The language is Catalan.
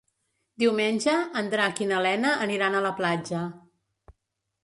Diumenge en Drac i na Lena aniran a la platja.